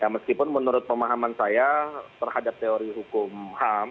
meskipun menurut pemahaman saya terhadap teori hukum ham